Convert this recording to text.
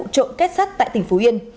trộm kết sắt tại tỉnh phú yên